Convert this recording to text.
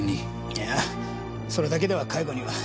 いやぁそれだけでは解雇には。